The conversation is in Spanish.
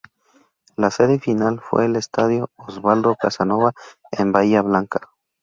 La sede final fue el Estadio Osvaldo Casanova, en Bahía Blanca.